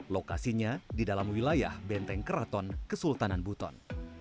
lokasinya di dalam wilayah benteng keraton kesultanan buton